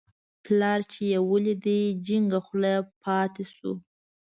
پلار چې یې ولید، جینګه خوله پاتې شو.